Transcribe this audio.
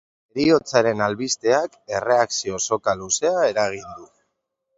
Heriotzaren albisteak erreakzio soka luzea eragin du.